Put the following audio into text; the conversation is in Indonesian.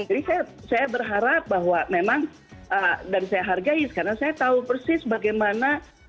jadi saya berharap bahwa memang dan saya hargai karena saya tahu persis bagaimana